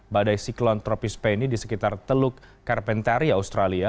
badai siklon tropis penny di sekitar teluk carpentaria australia